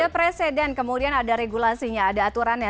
presiden kemudian ada regulasinya ada aturannya